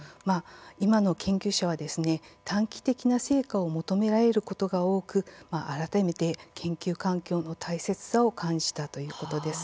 今の研究者は短期的な成果を求められることが多く、改めて研究環境の大切さを感じたということです。